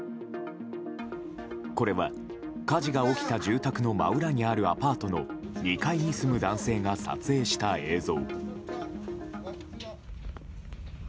これは火事が起きた住宅の真裏にあるアパートの２階に住む男性が撮影した映像。